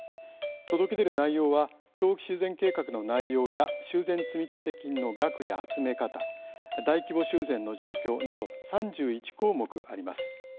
届け出る内容は長期修繕計画の内容や修繕積立金の額や集め方大規模修繕の状況など３１項目あります。